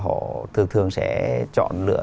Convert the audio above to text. họ thường thường sẽ chọn lựa